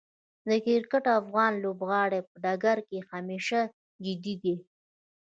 د کرکټ افغان لوبغاړي په ډګر کې همیشه جدي دي.